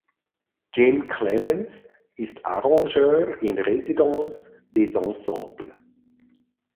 Jim Clements ist Arrangeur in Residence des Ensembles.